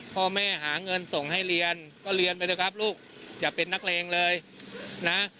พ่อแม่หาเงินส่งให้เรียนก็เรียนไปเถอะครับลูกอย่าเป็นนักเลงเลยนะ